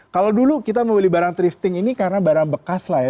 kalau dulu kita memilih barang thrifting ini karena barang bekas lah ya